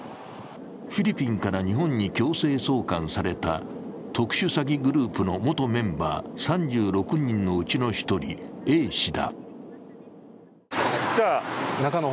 フィリピンから日本に強制送還された特殊詐欺グループの元メンバー３６人のうちの１人、Ａ氏だ。